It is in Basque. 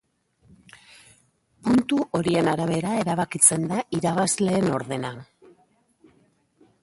Puntu horien arabera erabakitzen da irabazleen ordena.